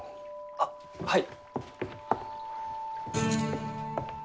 あっはい。